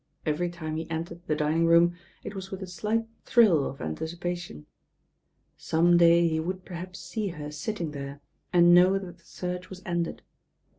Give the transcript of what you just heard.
Every time he entered the dining room, it was with a slight thrill of anticipa tion. Some day he would perhaps see her sitting there, and know that the search was ended.